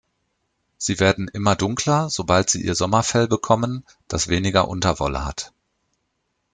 Sie werden wieder dunkler, sobald sie ihr Sommerfell bekommen, das weniger Unterwolle hat.